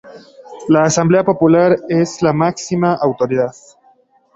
La asamblea popular es la máxima autoridad.